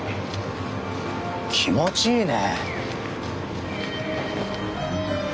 気持ちいいね。